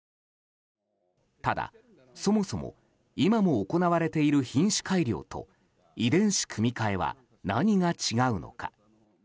ただ、そもそも今も行われている品種改良と遺伝子組み換えは何が違うのか。